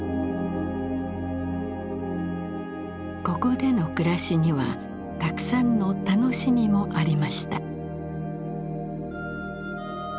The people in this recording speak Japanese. ここでの暮らしにはたくさんの楽しみもありました。